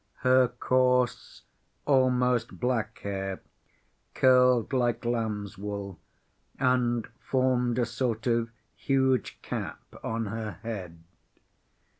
Her coarse, almost black hair curled like lamb's wool, and formed a sort of huge cap on her head.